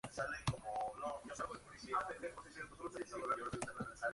Perteneció a una población de la que actualmente queda este monumento como único vestigio.